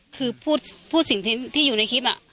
คือพูดสิ่งที่อยู่ในคลิป